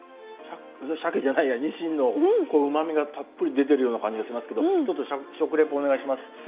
シャシャケじゃないやニシンのうまみがたっぷり出てるような感じがしますけどちょっと食レポお願いします。